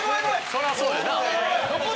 そりゃそうや。